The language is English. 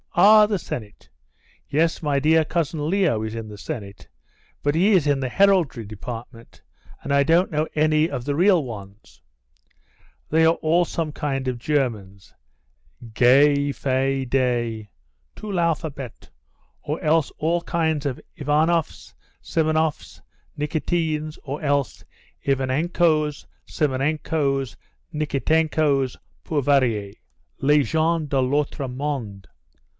"Ah, the Senate! Yes, my dear Cousin Leo is in the Senate, but he is in the heraldry department, and I don't know any of the real ones. They are all some kind of Germans Gay, Fay, Day tout l'alphabet, or else all sorts of Ivanoffs, Simenoffs, Nikitines, or else Ivanenkos, Simonenkos, Nikitenkos, pour varier. Des gens de l'autre monde.